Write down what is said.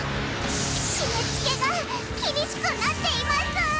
締め付けが厳しくなっています！